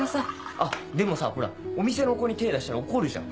あっでもさほらお店の子に手出したら怒るじゃん。